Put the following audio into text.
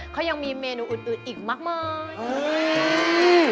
เขายังมีเมนูอื่นอีกมากมาย